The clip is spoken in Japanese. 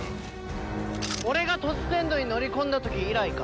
俺がトジテンドに乗り込んだ時以来か。